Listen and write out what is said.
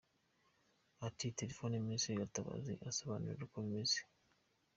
Ati telefona Ministre Gatabazi umusobonurire uko bimeze.